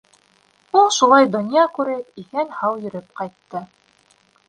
Ул шулай, донъя күреп, иҫән-һау йөрөп ҡайтты.